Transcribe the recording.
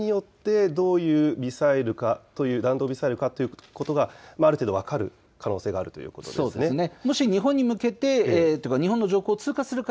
時間によってどういう弾道ミサイルかということがある程度分かる可能性があるということですね。